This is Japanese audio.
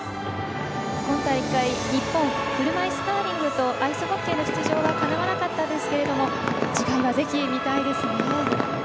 今大会、日本車いすカーリングとアイスホッケーの出場はかなわなったですけれども次回は、ぜひ見たいですね。